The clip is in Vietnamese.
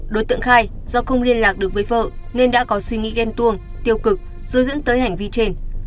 đối tượng khai do không liên lạc được với vợ nên đã có suy nghĩ ghen tuông tiêu cực rồi dẫn tới hành vi trên